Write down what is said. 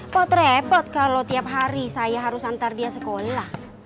potrepot kalau tiap hari saya harus antar dia sekolah